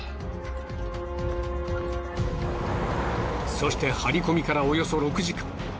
そして張り込みからおよそ６時間。